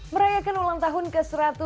merayakan ulang tahun ke satu ratus lima belas